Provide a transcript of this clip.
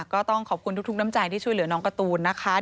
ก็ต้องขอบคุณทุกน้ำใจที่ช่วยเหลือน้องการ์ตูนนะคะ